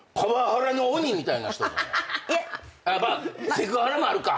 セクハラもあるか。